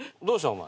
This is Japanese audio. お前。